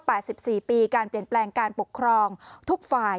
สิบสี่ปีการเปลี่ยนแปลงการปกครองทุกฝ่าย